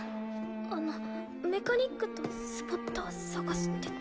あのメカニックとスポッター探してて。